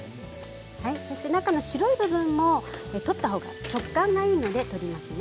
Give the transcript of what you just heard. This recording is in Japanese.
そして中の白い部分も取ったほうが食感がいいので取りますね。